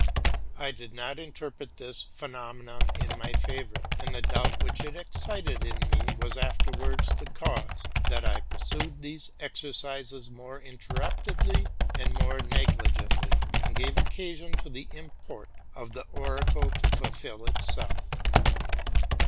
I did not interpret this phenomenon in my favor; and the doubt which it excited in me was afterwards the cause that I pursued these exercises more interruptedly and more negli gently, and gave occasion for the import of the oracle to fulfil itself.